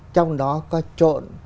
trong đó có trộn